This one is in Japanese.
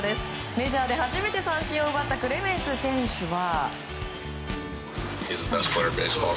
メジャーで初めて三振を奪ったクレメンス選手は。